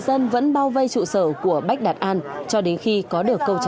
lô đất bây giờ không có cái trầm trầm thế nào